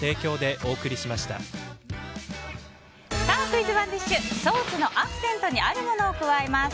クイズＯｎｅＤｉｓｈソースのアクセントにあるものを加えます。